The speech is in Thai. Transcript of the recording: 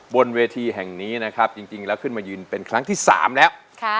บนเวทีแห่งนี้นะครับจริงแล้วขึ้นมายืนเป็นครั้งที่๓แล้ว